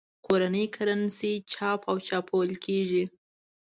کورنۍ کرنسي چاپ او چلول کېږي.